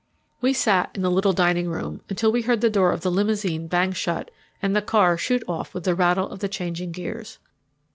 We sat in the little dining room until we heard the door of the limousine bang shut and the car shoot off with the rattle of the changing gears.